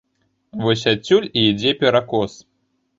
Вось адсюль і ідзе перакос.